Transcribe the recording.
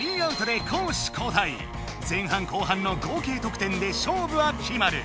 前半後半の合計得点でしょうぶはきまる。